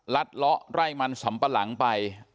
ลัดล้อไล่มันสำปะหลังไป